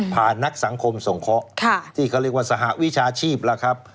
นักสังคมสงเคราะห์ที่เขาเรียกว่าสหวิชาชีพล่ะครับ